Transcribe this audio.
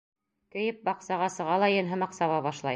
Кейеп, баҡсаға сыға ла ен һымаҡ саба башлай.